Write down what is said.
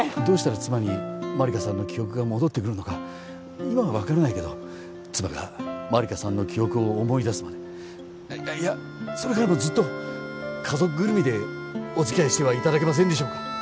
どうしたら妻に万理華さんの記憶が戻ってくるのか今は分からないけど妻が万理華さんの記憶を思い出すまでいやそれからもずっと家族ぐるみでお付き合いしてはいただけませんでしょうか？